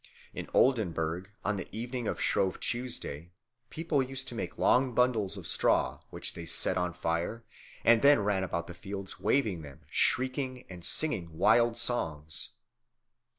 In Oldenburg on the evening of Shrove Tuesday people used to make long bundles of straw, which they set on fire, and then ran about the fields waving them, shrieking, and singing wild songs.